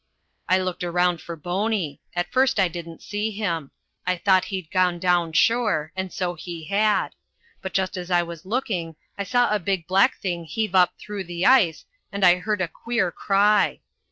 "I looked around for Boney; and at first I didn't see him. I thought he'd gone down sure, and so he had; but just as I was looking I saw a big black thing heave up through the ice, and I heard a queer cry.